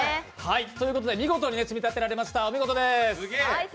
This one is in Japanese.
ということで見事に積み立てられましたお見事です。